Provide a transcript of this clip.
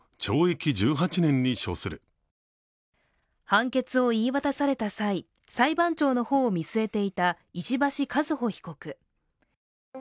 判決を言い渡された際、裁判長の方を見据えていた石橋和歩被告。